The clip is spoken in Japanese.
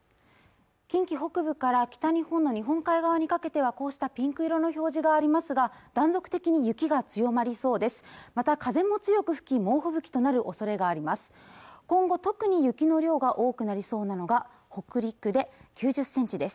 近畿北部から北日本の日本海側にかけてはこうしたピンク色の表示がありますが断続的に雪が強まりそうです